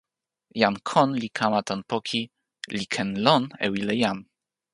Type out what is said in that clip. jan kon li kama tan poki li ken lon e wile jan.